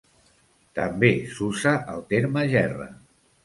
També s'usa, el terme gerra.